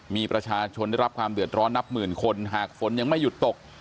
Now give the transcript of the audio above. มีประชาชนได้รับความเดือดร้อนนับหมื่นคนหากฝนยังไม่หยุดตก